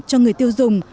cho người tiêu dùng